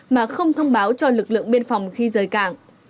mà không thông báo cho lực lượng biên phòng khi rời cảng